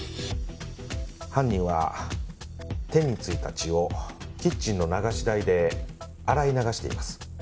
犯人は手に付いた血をキッチンの流し台で洗い流しています。